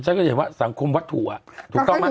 ฉันก็เห็นว่าสังคมวัดถูอ่ะ